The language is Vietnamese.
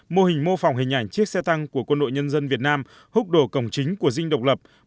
mô hình mô phỏng hình ảnh chiếc xe tăng của quân đội nhân dân việt nam húc đổ cổng chính của dinh độc lập